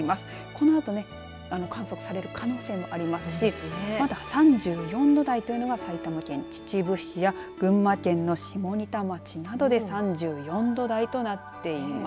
このあとね観測される可能性もありますしまだ３４度台というのが埼玉県秩父市や群馬県の下仁田町などで３４度台となっています